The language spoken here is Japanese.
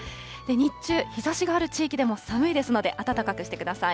日中、日ざしがある地域でも寒いですので、暖かくしてください。